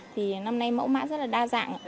thì năm nay mẫu mã rất là đa dạng